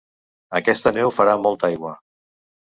Aquesta neu farà molta aigua.